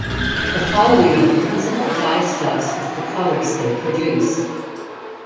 The following are the principal dyestuffs with the colours they produce.